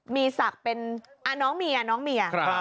มีศักดิ์เป็นน้องเมีย